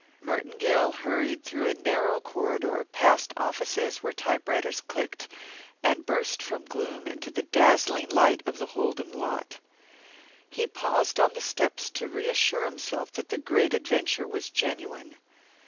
Merton Gill hurried through a narrow corridor past offices where typewriters clicked and burst from gloom into the dazzling light of the Holden lot. He paused on the steps to reassure himself that the great adventure was genuine.